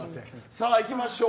さあ、いきましょう。